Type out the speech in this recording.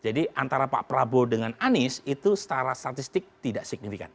antara pak prabowo dengan anies itu secara statistik tidak signifikan